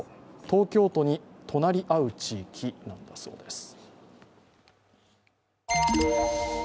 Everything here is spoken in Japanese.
東京都に隣り合う地域なんだそうです。